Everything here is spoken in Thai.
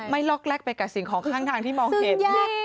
ลอกแลกไปกับสิ่งของข้างทางที่มองเห็น